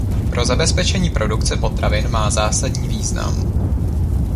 Pro zabezpečení produkce potravin má zásadní význam.